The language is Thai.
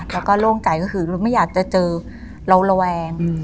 แล้วก็โล่งใจก็คือไม่อยากจะเจอเราระแวง